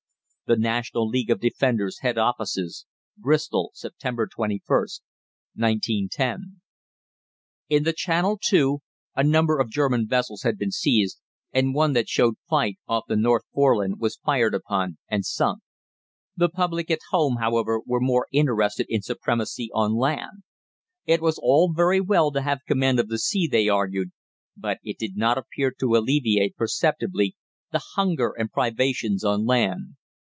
The National League of Defenders' Head Offices. Bristol, September 21st, 1910. [Illustration: A COPY OF THE MANIFESTO OF THE LEAGUE OF DEFENDERS ISSUED ON SEPTEMBER 21, 1910.] In the Channel, too, a number of German vessels had been seized, and one that showed fight off the North Foreland was fired upon and sunk. The public at home, however, were more interested in supremacy on land. It was all very well to have command of the sea, they argued, but it did not appear to alleviate perceptibly the hunger and privations on land.